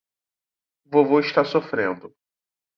Vovô está sofrendo